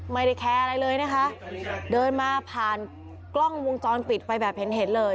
ไม่ได้แคร์อะไรเลยนะคะเดินมาผ่านกล้องวงจรปิดไปแบบเห็นเห็นเลย